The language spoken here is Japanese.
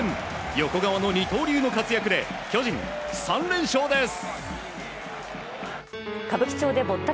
横川の二刀流の活躍で巨人３連勝です。